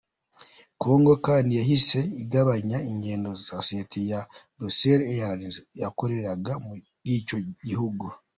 Congo kandi yahise igabanya ingendo Sosiyete ya Brussels Airlines yakoreraga muri icyo gihugu.